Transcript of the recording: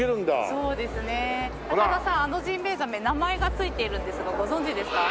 高田さんあのジンベエザメ名前がついているんですがご存じですか？